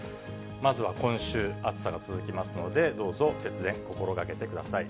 まずは今週、暑さが続きますので、どうぞ節電、心がけてください。